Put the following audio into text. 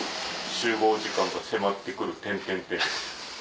集合時間が迫ってくる」。